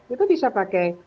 itu bisa pakai